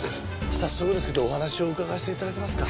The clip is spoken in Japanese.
早速ですけどお話を伺わせて頂けますか？